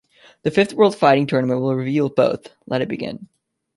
The Fifth World Fighting Tournament will reveal both - let it begin.